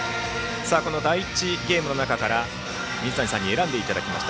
この第１ゲームの中から水谷さんに選んでいただきました。